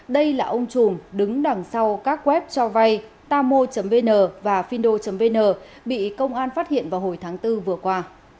đây là ông chùm đứng đằng sau các web cho vay tamo vn và findo vn bị công an phát hiện vào hồi tháng bốn vừa qua